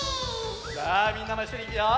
さあみんなもいっしょにいくよ！